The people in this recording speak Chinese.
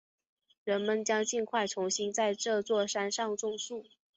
人们将尽快重新在这座山上种树。